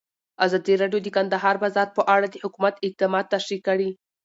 ازادي راډیو د د کار بازار په اړه د حکومت اقدامات تشریح کړي.